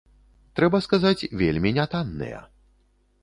Трэба сказаць, вельмі нятанныя.